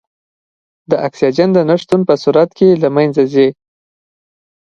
د اکسیجن د نه شتون په صورت کې له منځه ځي.